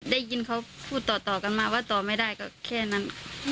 ได้ยินเขาพูดต่อกันมาว่าต่อไม่ได้ก็แค่นั้น